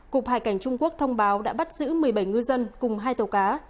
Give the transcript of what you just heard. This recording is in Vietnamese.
cục hải cảnh trung quốc thông báo đã bắt giữ một mươi bảy ngư dân cùng hai tàu cá